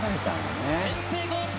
先制ゴール。